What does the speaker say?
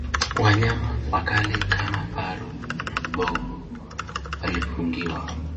Wanyama wakali kama faru na mbogo walifungiwa